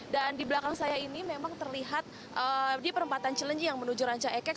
dan di belakang saya ini memang terlihat di perempatan cilenyi yang menuju rancayakek